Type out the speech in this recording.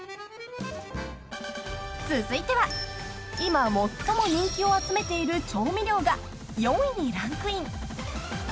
［続いては今最も人気を集めている調味料が４位にランクイン］